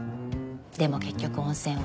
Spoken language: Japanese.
でも結局温泉は。